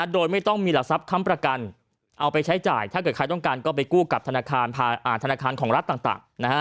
โดยไม่ต้องมีหลักทรัพย์ค้ำประกันเอาไปใช้จ่ายถ้าเกิดใครต้องการก็ไปกู้กับธนาคารของรัฐต่าง